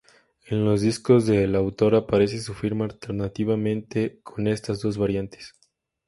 En los discos del autor aparece su firma alternativamente con estas dos variantes.